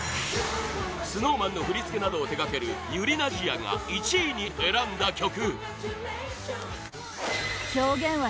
ＳｎｏｗＭａｎの振り付けなどを手掛けるｙｕｒｉｎａｓｉａが１位に選んだ曲ｓ＊＊